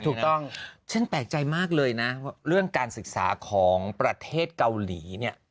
ถูกต้องฉันแปลกใจมากเลยนะเรื่องการศึกษาของประเทศเกาหลีเนี่ย